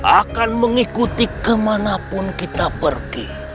akan mengikuti kemanapun kita pergi